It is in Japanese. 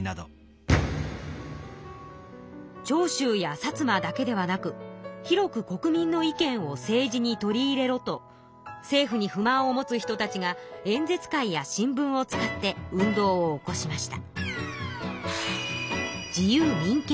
「長州や薩摩だけではなく広く国民の意見を政治に取り入れろ」と政府に不満を持つ人たちが演説会や新聞を使って運動を起こしました。